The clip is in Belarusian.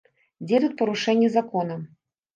Дзе тут парушэнне закона?